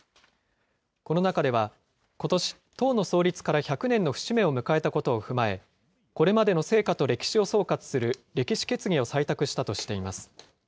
この中では、ことし、党の創立から１００年の節目を迎えたことを踏まえ、これまでの成果と歴史を総括する歴史決議を採択したとしています。